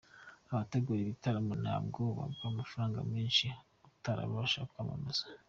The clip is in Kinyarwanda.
Abategura ibitaramo ntabwo baguha amafaranga menshi utabafasha kwamamaza.